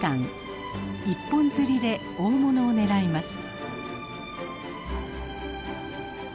一本釣りで大物を狙います。